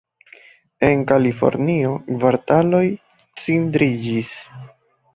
En Kalifornio, kvartaloj cindriĝis.